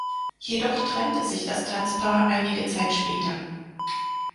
Jedoch trennte sich das Tanzpaar einige Zeit später.